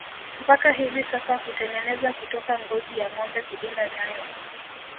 Mpaka hivi sasa hutengeneza kutoka ngozi ya ngombe kulinda nyayo